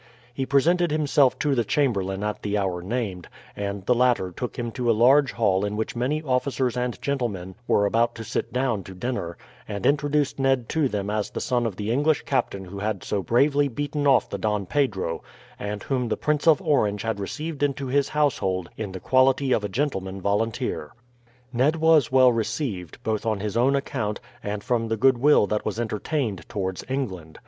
He presented himself to the chamberlain at the hour named, and the latter took him to a large hall in which many officers and gentlemen were about to sit down to dinner, and introduced Ned to them as the son of the English captain who had so bravely beaten off the Don Pedro, and whom the Prince of Orange had received into his household in the quality of a gentleman volunteer. Ned was well received, both on his own account and from the goodwill that was entertained towards England.